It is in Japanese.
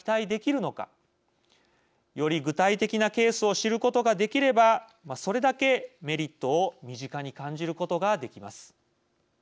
より具体的なケースを知ることができればそれだけメリットを身近に感じることができます。